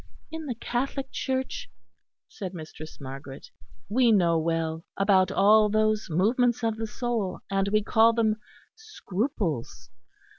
"In the Catholic Church," said Mistress Margaret, "we know well about all those movements of the soul; and we call them scruples.